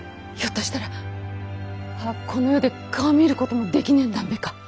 ひょっとしたらはあこの世で顔を見ることもできねぇんだんべか。